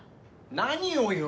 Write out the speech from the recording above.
何をよ！